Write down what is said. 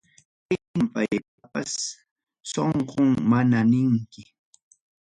Chaynam paypapas sonqon nanan ninki.